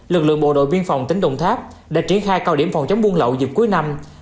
lực lượng bộ đội biên phòng tỉnh đồng tháp đã triển khai cao điểm phòng chống buôn lậu dịp cuối năm